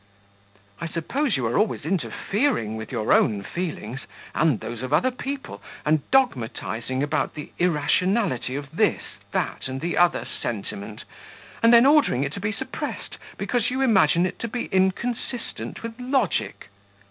"I suppose you are always interfering with your own feelings, and those of other people, and dogmatizing about the irrationality of this, that, and the other sentiment, and then ordering it to be suppressed because you imagine it to be inconsistent with logic."